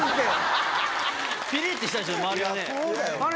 ピリってしたでしょうね